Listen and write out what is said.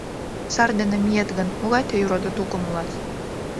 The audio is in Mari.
Сар дене миет гын, могай тый родо-тукым улат?